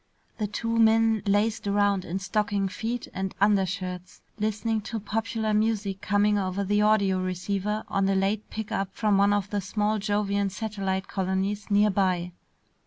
The two men lazed around in stocking feet and undershirts, listening to popular music coming over the audio receiver on a late pickup from one of the small Jovian satellite colonies near by.